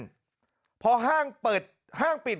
กะลาวบอกว่าก่อนเกิดเหตุ